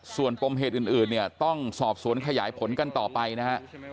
ส่วนปมเหตุอื่นเนี่ยต้องสอบสวนขยายผลกันต่อไปนะฮะ